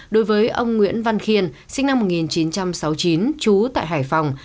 đối với ông nguyễn văn khiên sinh năm một nghìn chín trăm sáu mươi chín trú tại hải phòng